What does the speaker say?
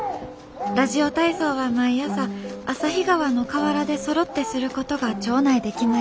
ラジオ体操は毎朝旭川の河原でそろってすることが町内で決まりました。